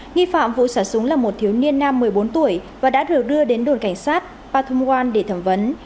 nghi phạm vụ xả súng là một thiếu niên nam một mươi bốn tuổi và đã được đưa đến đồn cảnh sát pathumwan để thẩm vấn